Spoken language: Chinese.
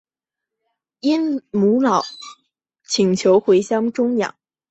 因母老请求回乡终养。